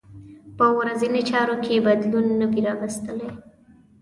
په ورځنۍ چارو کې بدلون نه وي راوستلی.